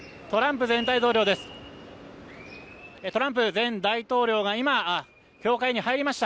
トランプ前大統領です。